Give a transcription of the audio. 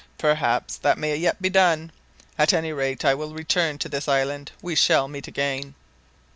Perhaps that may yet be done. At any rate I will return to this island we shall meet again."